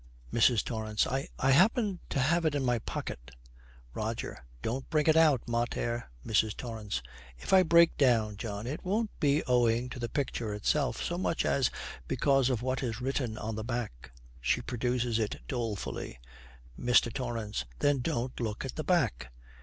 MRS. TORRANCE. 'I happen to have it in my pocket ' ROGER. 'Don't bring it out, mater.' MRS. TORRANCE. 'If I break down, John, it won't be owing to the picture itself so much as because of what is written on the back.' She produces it dolefully. MR. TORRANCE. 'Then don't look at the back.'